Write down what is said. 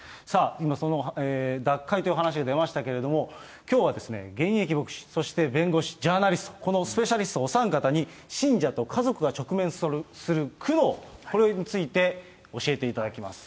今、脱会というお話が出ましたけれども、きょうは現役牧師、そして弁護士、ジャーナリスト、このスペシャリストお三方に信者と家族が直面する苦悩、これについて教えていただきます。